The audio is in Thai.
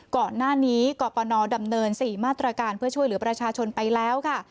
ก่อนหน้านี้กรปนดำเนิน๔มาตรการเพื่อช่วยเหลือประชาชนไปแล้วค่ะ